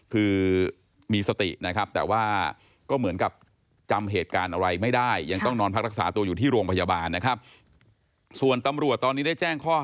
คือมีสตินะครับแต่ว่าก็เหมือนกับจำเหตุการณ์อะไรไม่ได้